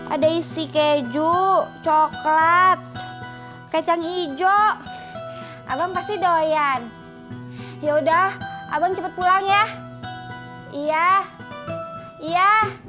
ada isi keju coklat kacang hijau abang pasti doyan yaudah abang cepet pulang ya iya iya